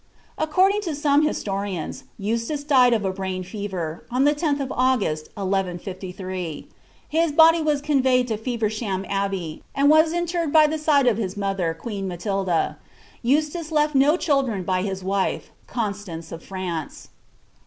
According to some historians, Eustace died of a brain ferer. on the 10th of August, 1153.' His body was conveyed to FevetBhan Abbey, and was interred by the side of his mother, qoeeii Matilda. Eustace left no children by his wife, Constance of France.